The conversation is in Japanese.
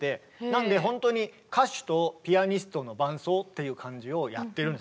なんでほんとに歌手とピアニストの伴奏っていう感じをやってるんですよ。